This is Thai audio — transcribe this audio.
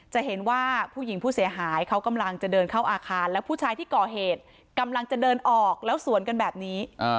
จะเห็นว่าผู้หญิงผู้เสียหายเขากำลังจะเดินเข้าอาคารแล้วผู้ชายที่ก่อเหตุกำลังจะเดินออกแล้วสวนกันแบบนี้